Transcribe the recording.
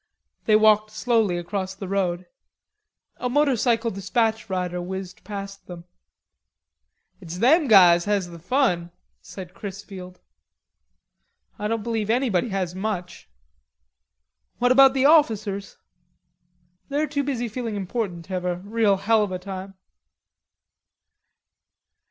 They walked slowly across the road. A motorcycle despatch rider whizzed past them. "It's them guys has the fun," said Chrisfield. "I don't believe anybody has much." "What about the officers?" "They're too busy feeling important to have a real hell of a time."